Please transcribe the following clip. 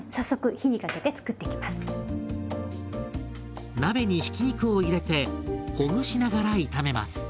鍋にひき肉を入れてほぐしながら炒めます。